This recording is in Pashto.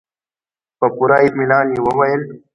په پوره اطمينان يې وويل.